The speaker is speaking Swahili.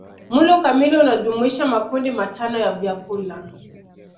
Mlo kamili unajumuisha makundi matano ya vyakula